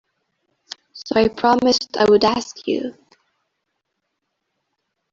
So I promised I would ask you.